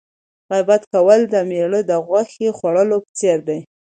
غیبت کول د مړي د غوښې خوړلو په څېر دی.